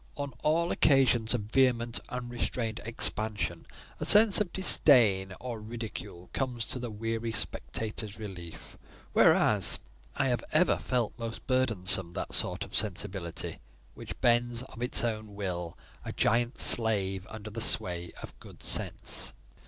On all occasions of vehement, unrestrained expansion, a sense of disdain or ridicule comes to the weary spectator's relief; whereas I have ever felt most burdensome that sort of sensibility which bends of its own will, a giant slave under the sway of good sense.